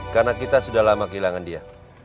karena kita sudah lama kehilangan dia